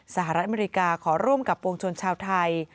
สหรัฐอเมริกาขอร่วมกับปวงชนชาวไทย